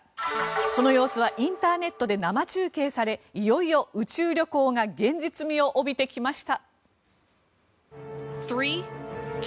その様子はインターネットで生中継されいよいよ宇宙旅行が現実味を帯びてきました。